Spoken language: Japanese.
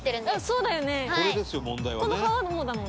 そうだよね？